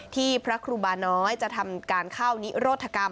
พระครูบาน้อยจะทำการเข้านิโรธกรรม